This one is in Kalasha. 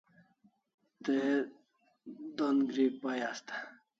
Te don gri pai asta